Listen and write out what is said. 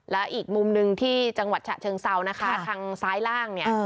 และอีกมุมหนึ่งที่จังหวัดฉะเชิงเซานะคะทางซ้ายล่างเนี่ย